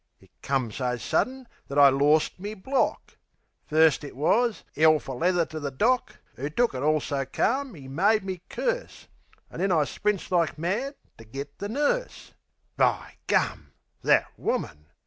It come so sudden that I lorst me block. First, it was, 'Ell fer leather to the doc., 'Oo took it all so calm 'e made me curse An' then I sprints like mad to get the nurse. By gum; that woman!